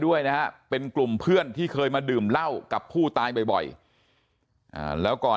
ด้วยนะเป็นกลุ่มเพื่อนที่เคยมาดื่มเหล้ากับผู้ตายบ่อยแล้วก่อน